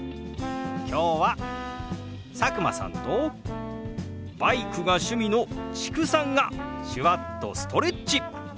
今日は佐久間さんとバイクが趣味の知久さんが手話っとストレッチ！